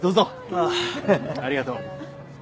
ああありがとう。